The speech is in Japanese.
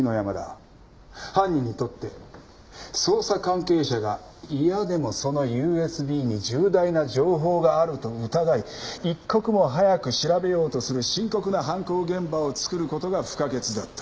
犯人にとって捜査関係者がいやでもそのＵＳＢに重大な情報があると疑い一刻も早く調べようとする深刻な犯行現場をつくる事が不可欠だった。